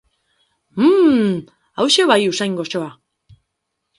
Uhmmm! Hauxe bai usain goxoa!